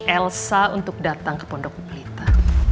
elsa untuk datang ke pondok pelita